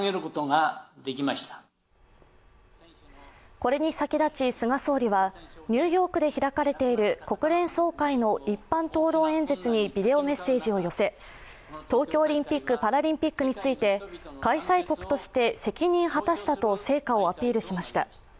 これに先立ち菅総理はニューヨークで開かれている国連総会の一般討論演説にビデオメッセージを寄せ東京オリンピック・パラリンピックについて、開催国として責任を果たしたと成果を果たしたとアピールしました。